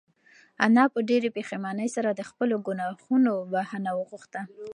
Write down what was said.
انا په ډېرې پښېمانۍ سره د خپلو گناهونو بښنه وغوښته.